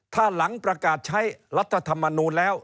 ถ้าหลังประกาศใช้รัฐธรรมนูลแล้ว